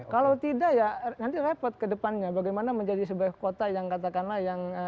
kalau tidak ya nanti repot ke depannya bagaimana menjadi sebuah kota yang katakanlah yang